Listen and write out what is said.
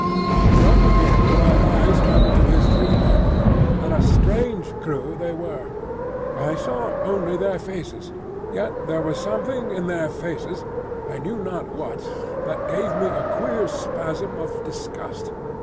From him my eyes travelled to his three men; and a strange crew they were. I saw only their faces, yet there was something in their faces—I knew not what—that gave me a queer spasm of disgust.